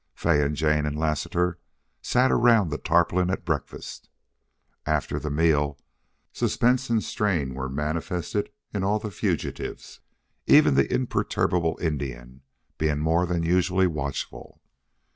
Fay and Jane and Lassiter sat around the tarpaulin at breakfast. After the meal suspense and strain were manifested in all the fugitives, even the imperturbable Indian being more than usually watchful.